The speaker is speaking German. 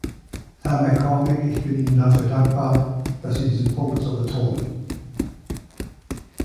Herr MacCormick, ich bin Ihnen dafür dankbar, dass Sie diesen Punkt so betonen.